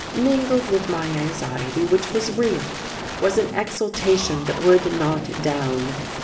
Mingled with my anxiety, which was real, was an exultation that would not down.